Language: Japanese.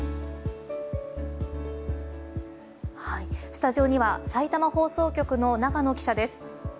スタジオにはさいたま放送局の永野記者です。